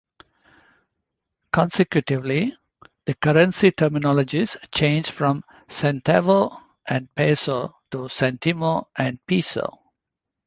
Consecutively, the currency terminologies changed from "centavo" and "peso" to "sentimo" and "piso".